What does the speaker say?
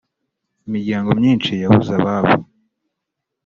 imiryango myinshi yabuze ababo